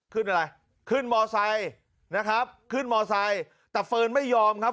ขึ้นอะไรขึ้นมอไซค์นะครับขึ้นมอไซค์แต่เฟิร์นไม่ยอมครับ